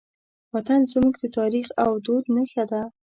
وطن زموږ د تاریخ او دود نښه ده.